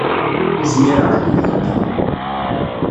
Ur zmireɣ ara ad ken-ḥuddeɣ.